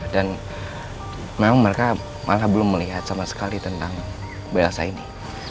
dan memang mereka malah belum melihat sama sekali tentang belasang ini